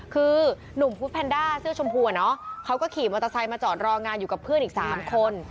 คือหนุ่มพุธแพนด้าเสื้อชมพูอะเนาะเขาก็ขี่มอเตอร์ไซค์มาจอดรองานอยู่กับเพื่อนอีก๓คน